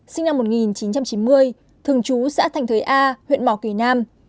sinh năm một nghìn chín trăm chín mươi thường trú xã thành thới a huyện mò kể nam